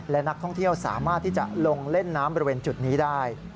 และนักท่องเที่ยวสามารถที่จะลงเล่นน้ำบริเวณจุดนี้ได้